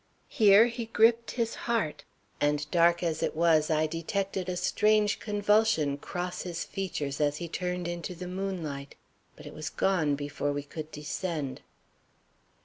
Here he gripped his heart; and, dark as it was, I detected a strange convulsion cross his features as he turned into the moonlight. But it was gone before we could descend.